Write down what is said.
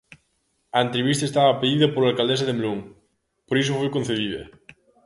A entrevista estaba pedida pola alcaldesa de Melón, por iso foi concedida.